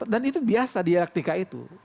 dan itu biasa di elektrika itu